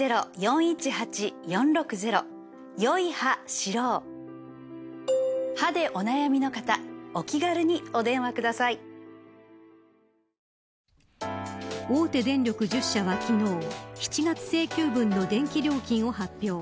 子どもたちの抵抗力も大手電力１０社は、昨日７月請求分の電気料金を発表。